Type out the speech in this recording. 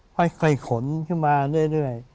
และใครขนขึ้นมาเรื่อย